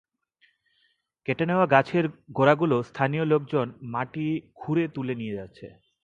কেটে নেওয়া গাছের গোড়াগুলো স্থানীয় লোকজন মাটি খুঁড়ে তুলে নিয়ে যাচ্ছে।